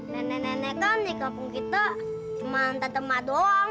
nenek nenek kan di kampung kita cuma tetap mak doang